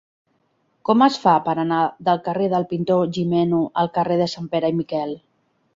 Com es fa per anar del carrer del Pintor Gimeno al carrer de Sanpere i Miquel?